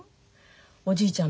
おじいちゃん